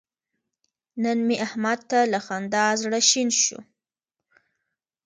نن مې احمد ته له خندا زړه شین شو.